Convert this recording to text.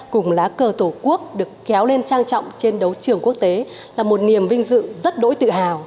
cùng lá cờ tổ quốc được kéo lên trang trọng trên đấu trường quốc tế là một niềm vinh dự rất đỗi tự hào